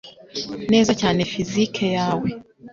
neza cyane Physics yawe